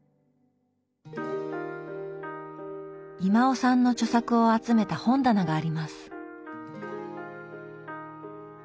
威馬雄さんの著作を集めた本棚があります。